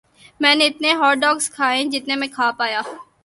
میں نے اتنے ہاٹ ڈاگز کھائیں جتنے میں کھا پایا